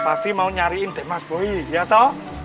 pasti mau nyariin demas boy ya toh